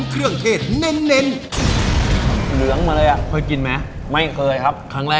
ครั้งแรกเหมือนกัน